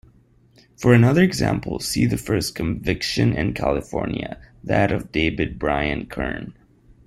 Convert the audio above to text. For another example, see the first conviction in California, that of David Brian Kern.